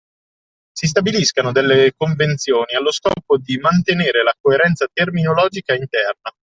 Si stabiliscano delle convenzioni allo scopo di mantenere la coerenza terminologica interna.